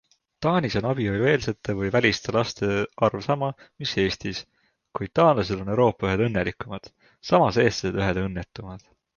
Taanis on abielueelsete või -väliste laste arv sama mis Eestis, kuid taanlased on Euroopa ühed õnnelikumad, samas eestlased ühed õnnetumad.